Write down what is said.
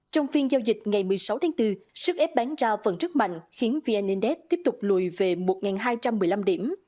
trong phiên giao dịch ngày một mươi sáu tháng bốn sức ép bán ra phần rất mạnh khiến vn index tiếp tục lùi về một hai trăm một mươi năm điểm